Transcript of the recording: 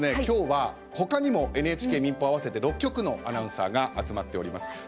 今日はほかにもＮＨＫ民放合わせて６局のアナウンサーが集まっております。